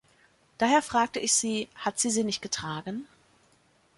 Daher fragte ich sie – „Hat sie sie nicht getragen?“